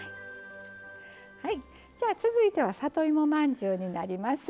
はいじゃあ続いては里芋まんじゅうになります。